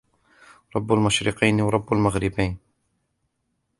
رب المشرقين ورب المغربين